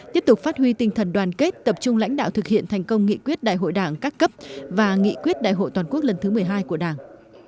tiếp tục phát huy tinh thần đoàn kết tập trung lãnh đạo thực hiện thành công nghị quyết đại hội đảng các cấp và nghị quyết đại hội toàn quốc lần thứ một mươi hai của đảng